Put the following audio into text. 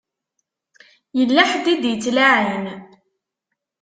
Yella ḥedd i d-ittlaɛin.